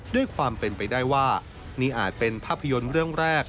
ด้วยความเป็นไปได้ว่านี่อาจเป็นภาพยนตร์เรื่องแรก